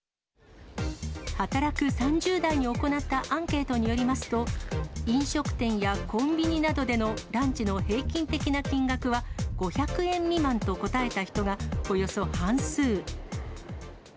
働く３０代に行ったアンケートによりますと、飲食店やコンビニなどでのランチの平均的な金額は５００円未満と答えた人が、およそ半数。